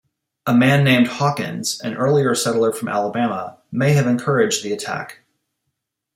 A man named Hawkins, an earlier settler from Alabama, may have encouraged the attack.